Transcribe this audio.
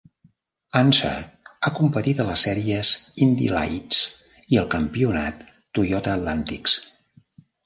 Unser ha competit a les sèries Indy Lights i al campionat Toyota Atlantics.